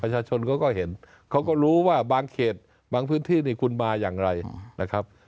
ชนเขาก็เห็นเขาก็รู้ว่าบางเขตบางพื้นที่นี่คุณมาอย่างไรนะครับ